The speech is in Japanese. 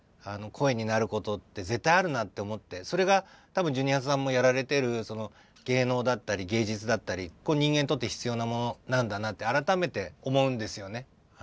それが多分ジュニアさんもやられてる芸能だったり芸術だったり人間にとって必要なものなんだなって改めて思うんですよね。